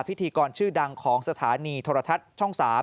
พิธีกรชื่อดังของสถานีโทรทัศน์ช่อง๓